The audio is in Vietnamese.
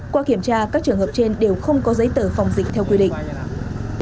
qua kiểm tra các trường hợp trên đều không có giấy tờ phòng dịch theo quy định